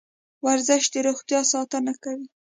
ورزش د روغتیا ساتنه کوي.